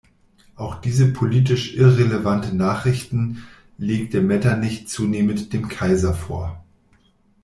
Auch diese politisch irrelevanten Nachrichten legte Metternich zunehmend dem Kaiser vor.